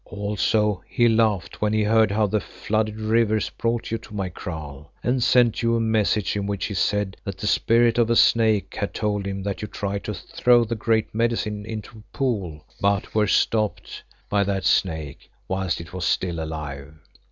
Also he laughed when he heard how the flooded rivers brought you to my kraal, and sent you a message in which he said that the spirit of a snake had told him that you tried to throw the Great Medicine into a pool, but were stopped by that snake, whilst it was still alive.